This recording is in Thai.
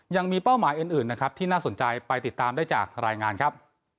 เป้าหมายอื่นนะครับที่น่าสนใจไปติดตามได้จากรายงานครับ